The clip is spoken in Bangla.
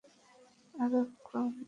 আরো ক্রেন আনো।